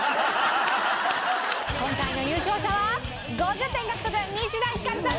今回の優勝者は５０点獲得西田ひかるさん